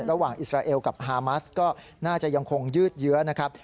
ระหว่างอิสราเอลกับฮามัสก็น่าจะยังคงยืดเยอะนะครับ